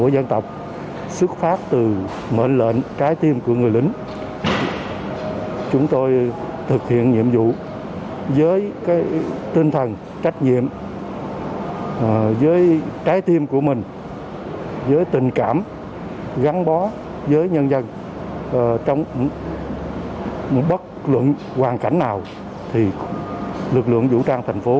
với tình cảm gắn bó với nhân dân trong một bất luận hoàn cảnh nào thì lực lượng vũ trang thành phố